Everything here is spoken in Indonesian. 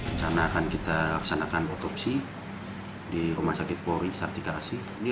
rencana akan kita laksanakan otopsi di rumah sakit kloris artikasi